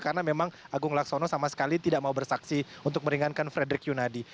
karena memang agung laksono sama sekali tidak mau bersaksi untuk meringankan frederick yunadi